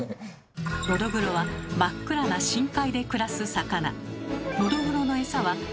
ノドグロは真っ暗な深海で暮らす魚。